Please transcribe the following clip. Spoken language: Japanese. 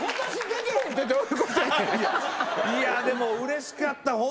いやでもうれしかった。